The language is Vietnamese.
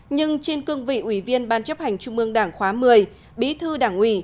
nhưng trên cương vị ủy viên ban chấp hành trung ương đảng khóa một mươi bí thư đảng ủy